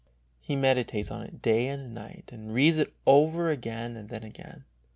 He meditates on it day and night, and reads it over again and then again.